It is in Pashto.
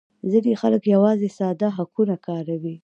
ځینې خلک یوازې ساده هکونه کاروي